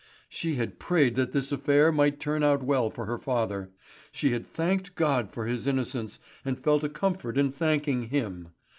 She had prayed that this affair might turn out well for her father. She had thanked God for his innocence, and felt a comfort in thanking Him.